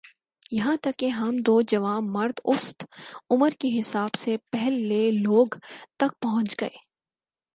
یہاں تک کہہ ہم دو جواںمرد اوسط عمر کے حساب سے پہل لے لوگ تک پہنچ گئے